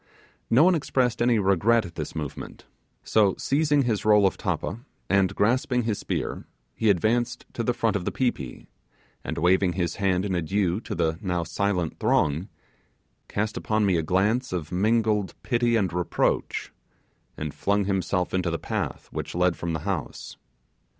No one expressed any regret at this movement, so seizing his roll of tappa, and grasping his spear, he advanced to the front of the pi pi, and waving his hand in adieu to the now silent throng, cast upon me a glance of mingled pity and reproach, and flung himself into the path which led from the house.